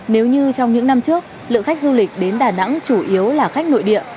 nếu như trong những năm trước lượng khách du lịch đến đà nẵng chủ yếu là khách nội địa